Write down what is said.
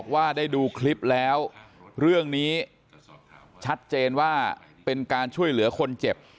ว่าได้ดูคลิปแล้วเรื่องนี้ชัดเจนว่าเป็นการช่วยเหลือคนเจ็บ